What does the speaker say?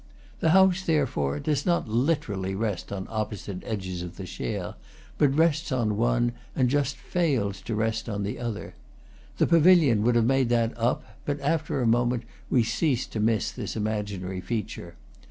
The house, therefore, does not literally rest on opposite edges of the Cher, but rests on one and just fails to rest on the other. The pavilion would have made that up; but after a moment we ceased to miss this imaginary feature.